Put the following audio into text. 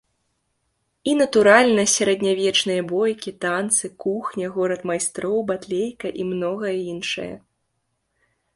І, натуральна, сярэднявечныя бойкі, танцы, кухня, горад майстроў, батлейка і многае іншае.